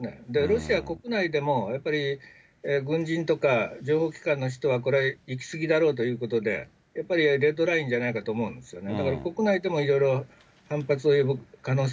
ロシア国内でも、やっぱり軍人とか情報機関の人はこれは行きすぎだろうということで、やっぱりレッドラインじゃないかと思うんですよね。